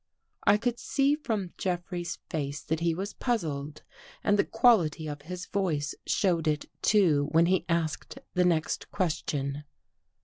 I could see from Jeffrey's face that he was puz zled, and the quality of his voice showed it, too, when he asked the next question.